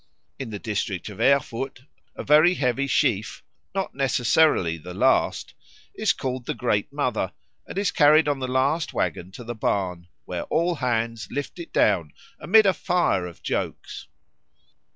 In the district of Erfurt a very heavy sheaf, not necessarily the last, is called the Great Mother, and is carried on the last waggon to the barn, where all hands lift it down amid a fire of jokes.